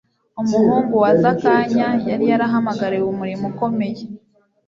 Umuhungu wa Zakanya yari yarahamagariwe umurimo ukomeye,